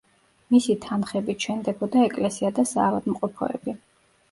მისი თანხებით შენდებოდა ეკლესია და საავადმყოფოები.